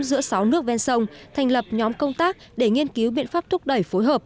giữa sáu nước ven sông thành lập nhóm công tác để nghiên cứu biện pháp thúc đẩy phối hợp